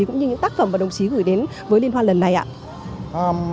cũng như những tác phẩm mà đồng chí gửi đến với liên hoan lần này ạ